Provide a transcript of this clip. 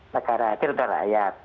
negara hadir untuk rakyat